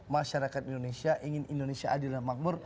masyarakat indonesia ingin indonesia adil dan makmur